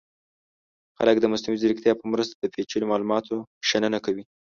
خلک د مصنوعي ځیرکتیا په مرسته د پیچلو معلوماتو شننه کوي.